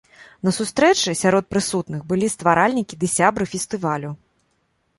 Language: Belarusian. На сустрэчы сярод прысутных былі стваральнікі ды сябры фестывалю.